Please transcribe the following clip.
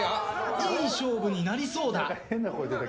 いい勝負になりそうだ。